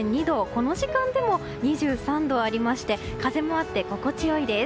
この時間でも２３度ありまして風もあって心地よいです。